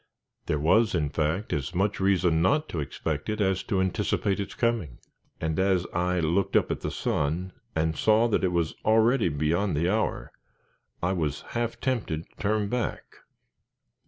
There was, in fact; as much reason not to expect it as to anticipate its coming, and as I looked up at the sun and saw that it was already beyond the hour, I was half tempted to turn back.